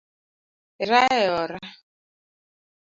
Erae ora